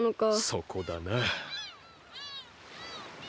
そこだな。